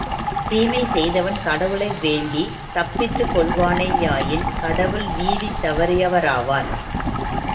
தீமை செய்தவன் கடவுளை வேண்டித் தப்பித்துக் கொள்வானே யாயின் கடவுள் நீதி தவறியவராவார்.